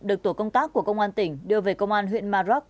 được tổ công tác của công an tỉnh đưa về công an huyện maroc